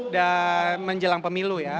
dan menjelang pemilu ya